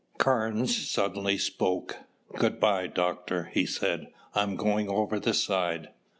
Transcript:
Carnes suddenly spoke. "Good by, Doctor," he said. "I'm going over the side."